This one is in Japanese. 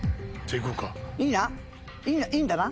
いいんだな？